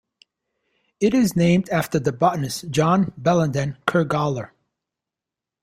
It is named after the botanist John Bellenden Ker Gawler.